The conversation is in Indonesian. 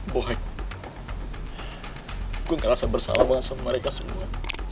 bohe gue gak rasa bersalah banget sama mereka semua